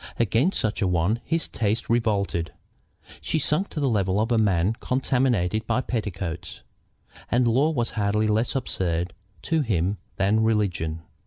Against such a one his taste revolted. She sunk to the level of a man contaminated by petticoats. And law was hardly less absurd to him than religion.